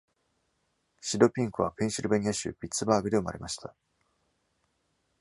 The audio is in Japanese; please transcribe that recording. シド・ピンクは、ペンシルベニア州ピッツバーグで生まれました。